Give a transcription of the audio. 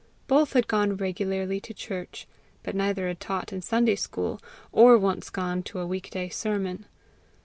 Both had gone regularly to church, but neither had taught in a Sunday school, or once gone to a week day sermon.